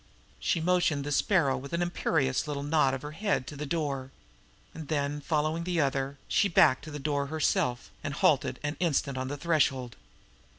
She motioned the Sparrow with an imperious little nod of her head to the door. And then, following the other, she backed to the door herself, and halted an instant on the threshold.